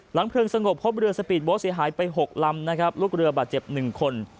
เพลิงสงบพบเรือสปีดโบสต์เสียหายไป๖ลำนะครับลูกเรือบาดเจ็บ๑คน